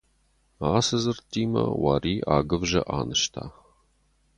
Ацы дзырдтимӕ Уари агуывзӕ анызта.